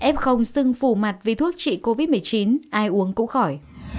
f xưng phù mặt vì thuốc trị covid một mươi chín ai uống cũng khỏi